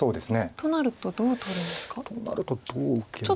となるとどう受けるか。